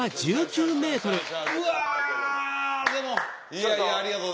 うわでもいやいやありがとうございます。